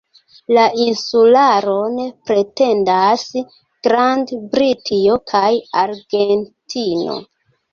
La insularon pretendas Grand-Britio kaj Argentino.